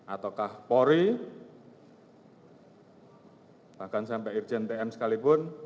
ataukah pori bahkan sampai urgent pm sekalipun